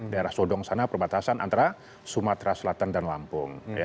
daerah sodong sana perbatasan antara sumatera selatan dan lampung